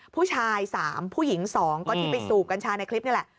ผู้ชาย๓ผู้หญิง๒ก็ที่ไปสูบกัญชาในคลิปนี่แหละ